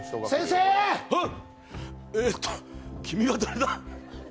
えーっと君は誰だ？